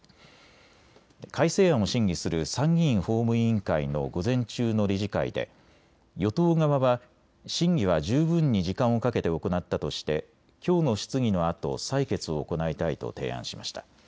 改正案を審議する参議院法務委員会の午前中の理事会で与党側は審議は十分に時間をかけて行ったとしてきょうの質疑のあと採決を行いたいと提案しました。